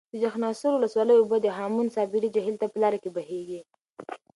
د چخانسور ولسوالۍ اوبه د هامون صابري جهیل ته په لاره کې بهیږي.